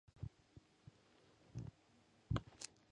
Ibilbideari dagokionez, esprinterako aproposak diren hiru etapa daude.